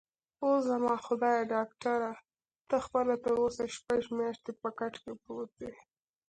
اووه، زما خدایه، ډاکټره ته خپله تراوسه شپږ میاشتې په کټ کې پروت یې؟